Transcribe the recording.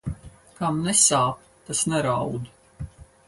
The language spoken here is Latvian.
Kam nesāp, tas neraud.